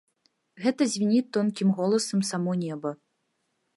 Гэта звініць тонкім голасам само неба.